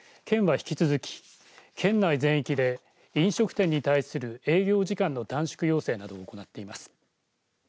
県は、引き続き県内全域で飲食店に対する営業時間の短縮要請などを行っています。